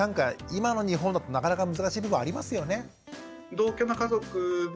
今の日本だとなかなか難しい部分ありますよね。